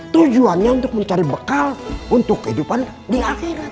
tujuannya untuk mencari bekal untuk kehidupan di akhirat